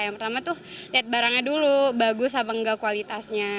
yang pertama tuh lihat barangnya dulu bagus apa enggak kualitasnya